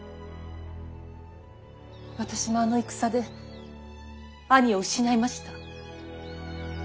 私もあの戦で兄を失いました。